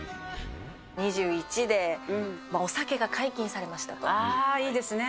２１でお酒が解禁されましたああ、いいですね。